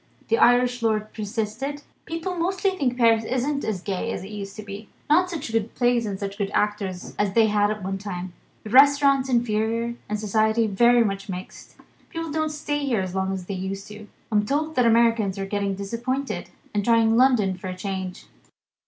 The Irish lord persisted: "People mostly think Paris isn't as gay as it used to be. Not such good plays and such good actors as they had at one time. The restaurants inferior, and society very much mixed. People don't stay there as long as they used. I'm told that Americans are getting disappointed, and are trying London for a change."